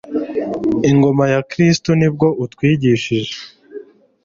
ingoma ya kristu, nibwo utwigishije